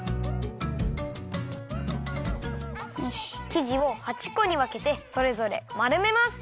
きじを８こにわけてそれぞれまるめます。